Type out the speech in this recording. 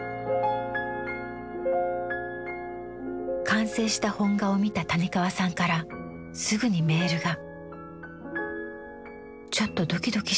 完成した本画を見た谷川さんからすぐにメールが。